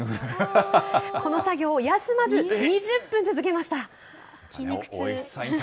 この作業を休まず２０分続けまし筋肉痛。